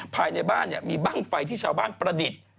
ภายในบ้านมีบ้างไฟที่ชาวบ้านประดิษฐ์